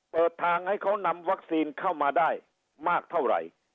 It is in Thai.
เปิดทางให้เขานำวัคซีนเข้ามาได้มากเท่าไหร่